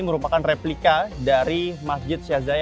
merupakan replika dari masjid sheikh zayed